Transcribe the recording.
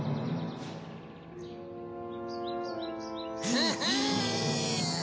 フフン。